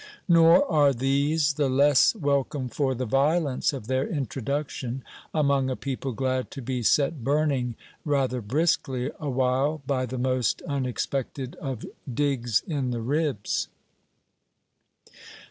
Nor are these the less welcome for the violence of their introduction among a people glad to be set burning rather briskly awhile by the most unexpected of digs in the ribs.